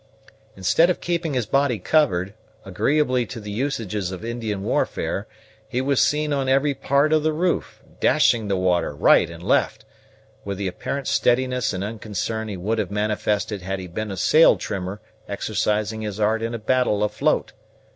Instead of keeping his body covered, agreeably to the usages of Indian warfare, he was seen on every part of the roof, dashing the water right and left, with the apparent steadiness and unconcern he would have manifested had he been a sail trimmer exercising his art in a battle afloat.